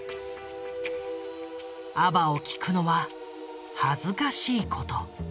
ＡＢＢＡを聴くのは恥ずかしいこと。